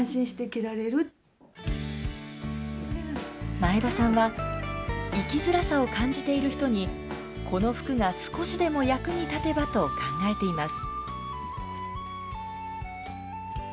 前田さんは生きづらさを感じている人にこの服が少しでも役に立てばと考えています。